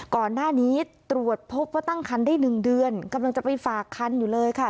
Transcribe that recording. ก่อนหน้านี้ตรวจพบว่าตั้งคันได้๑เดือนกำลังจะไปฝากคันอยู่เลยค่ะ